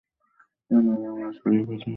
ইউনিয়নের মাঝ দিয়ে কপোতাক্ষ নদ।